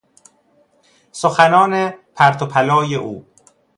سخنان پرت و پلای او